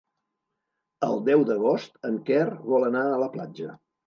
El deu d'agost en Quer vol anar a la platja.